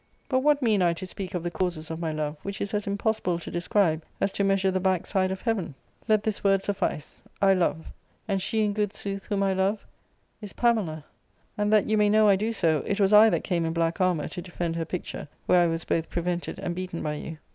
But what mean I to speak of the causes of my love, which is as impossible to describe as to measure the backside of heaven ? Let this word suffice : I love. And she, in good sobth, whom I love is PainsJa. And that you may know I do so, it was I that came in black armour to defend her picture, where I was both prevented and beaten by you.